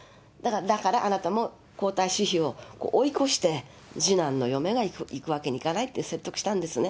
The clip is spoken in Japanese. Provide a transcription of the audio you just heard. だからあなたも皇太子妃を追い越して次男の嫁が行くわけにいかないって、説得したんですね。